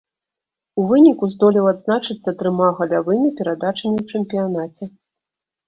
У выніку здолеў адзначыцца трыма галявымі перадачамі ў чэмпіянаце.